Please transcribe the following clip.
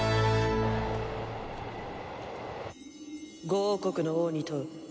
５王国の王に問う。